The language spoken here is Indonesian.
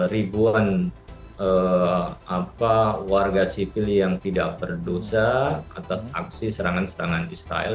ribuan warga sipil yang tidak berdosa atas aksi serangan serangan israel